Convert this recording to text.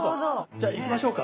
じゃあいきましょうか。